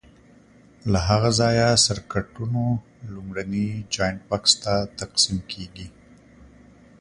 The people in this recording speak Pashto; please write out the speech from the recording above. له هغه ځایه سرکټونو لومړني جاینټ بکس ته تقسیم کېږي.